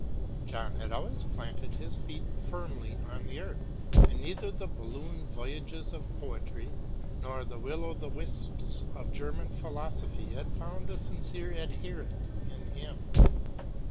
John had always planted his feet firmly on the earth, and neither the balloon voyages of poetry nor the will o' the wisps of German philosophy had found a sincere adherent in him.